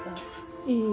いい。